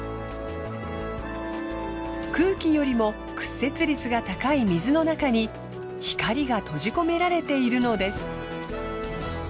空気よりも屈折率が高い水の中に光が閉じ込められているのです。